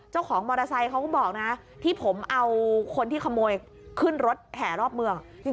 เจ้าของมอเตอร์ไซค์เขาก็บอกนะที่ผมเอาคนที่ขโมยขึ้นรถแห่รอบเมือง